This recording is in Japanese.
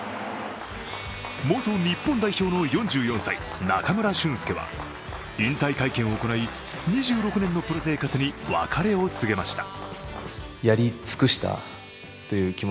元日本代表の４４歳・中村俊輔は引退会見を行い２６年のプロ生活に別れを告げました。